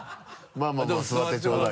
まぁまぁ座ってちょうだいよ。